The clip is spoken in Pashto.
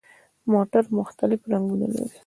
موټر مختلف رنګونه لري.